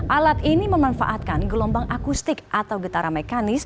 alat ini memanfaatkan gelombang akustik atau getara mekanis